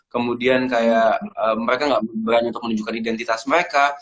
kemudian kayak mereka nggak berani untuk menunjukkan identitas mereka